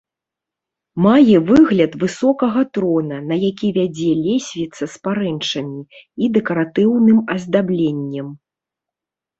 Мае выгляд высокага трона, на які вядзе лесвіца з парэнчамі і дэкаратыўным аздабленнем.